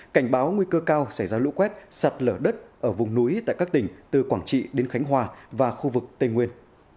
cảnh báo nguy cơ cao xảy ra lũ quét sạt lở đất ở vùng núi tại các tỉnh từ quảng trị đến khánh hòa và khu vực tây nguyên